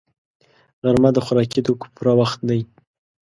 غرمه د خوراکي توکو پوره وخت دی